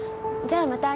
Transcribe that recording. じゃあまた。